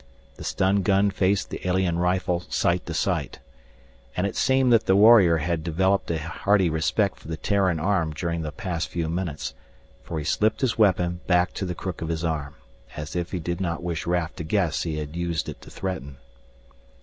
The stun gun faced the alien rifle sight to sight. And it seemed that the warrior had developed a hearty respect for the Terran arm during the past few minutes, for he slipped his weapon back to the crook of his arm, as if he did not wish Raf to guess he had used it to threaten.